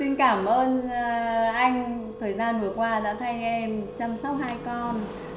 xin cảm ơn anh thời gian vừa qua đã thay em chăm sóc hai con